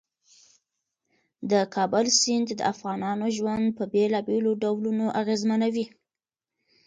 د کابل سیند د افغانانو ژوند په بېلابېلو ډولونو اغېزمنوي.